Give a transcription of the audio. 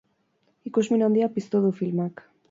Ikusmin handia piztu du filmak.